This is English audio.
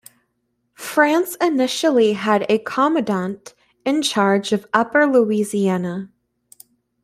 France initially had a commandant in charge of Upper Louisiana.